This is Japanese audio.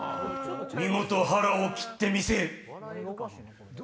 見事腹を切ってみせえ。